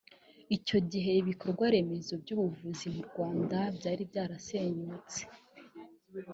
Icyo gihe ibikorwaremezo by’ubuvuzi mu Rwanda byari byarasenyutse